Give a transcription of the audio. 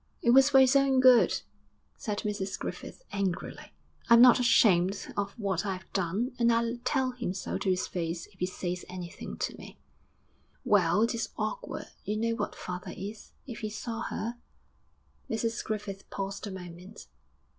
'It was for his own good,' said Mrs Griffith, angrily. 'I'm not ashamed of what I've done, and I'll tell him so to his face if he says anything to me.' 'Well, it is awkward. You know what father is; if he saw her.'... Mrs Griffith paused a moment.